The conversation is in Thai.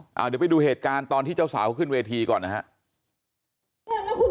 เดี๋ยวไปดูเหตุการณ์ตอนที่เจ้าสาวขึ้นเวทีก่อนนะครับ